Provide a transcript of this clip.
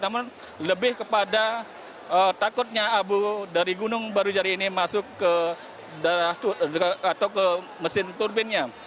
namun lebih kepada takutnya abu dari gunung barujari ini masuk ke mesin turbinnya